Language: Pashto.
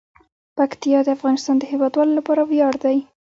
پکتیا د افغانستان د هیوادوالو لپاره ویاړ دی.